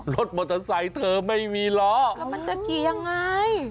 รถมอเตอร์ไซต์เธอไม่มีล้อก็มันจริงยังไง